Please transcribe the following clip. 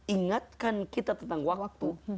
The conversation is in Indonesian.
ingatkan kita tentang waktu